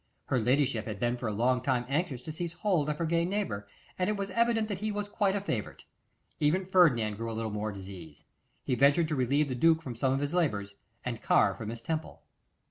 Her ladyship had been for a long time anxious to seize hold of her gay neighbour, and it was evident that he was quite 'a favourite.' Even Ferdinand grew a little more at his ease. He ventured to relieve the duke from some of his labours, and carve for Miss Temple.